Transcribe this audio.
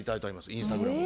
インスタグラム。